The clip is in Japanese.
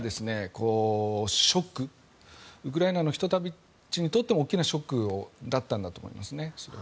ウクライナの人たちにとっても大きなショックだったんだと思いますね。